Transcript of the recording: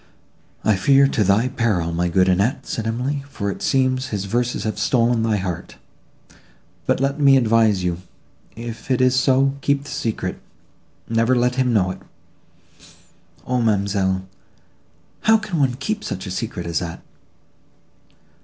—" "I fear, to thy peril, my good Annette," said Emily; "for it seems his verses have stolen thy heart. But let me advise you; if it is so, keep the secret; never let him know it." "Ah—ma'amselle!—how can one keep such a secret as that?"